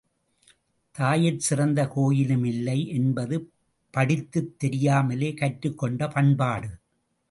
தாயிற் சிறந்த கோயிலுமில்லை என்பது படித்துத் தெரியாமலே கற்றுக் கொண்ட பண்பாடு.